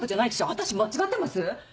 私間違ってます？